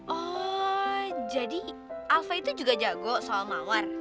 oh jadi alfa itu juga jago soal mawar